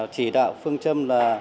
chỉ đạo phương châm là